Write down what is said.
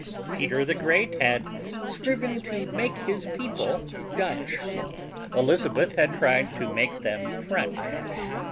Peter the Great had striven to make his people Dutch. Elizabeth had tried to make them French.